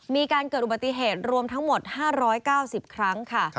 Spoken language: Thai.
มีการเกิดอุบัติเหตุรวมทั้งหมด๕๙๐ครั้งค่ะ